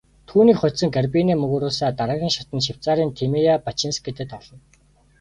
Түүнийг хожсон Гарбинэ Мугуруса дараагийн шатанд Швейцарын Тимея Бачинскитэй тоглоно.